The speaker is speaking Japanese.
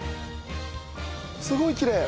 すごいきれい！